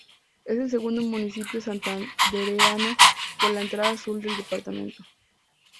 Es el segundo Municipio santandereano por la entrada sur del Departamento.